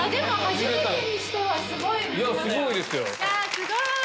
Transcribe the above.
すごい！